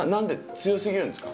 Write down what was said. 強すぎるんですか？